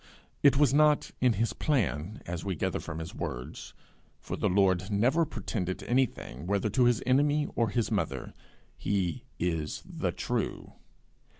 It was not in his plan, as we gather from his words; for the Lord never pretended anything, whether to his enemy or his mother; he is The True.